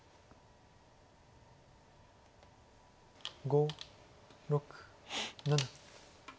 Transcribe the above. ５６７。